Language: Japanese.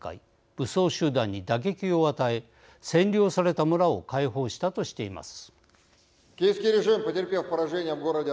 武装集団に打撃を与え占領された村を解放したとしています。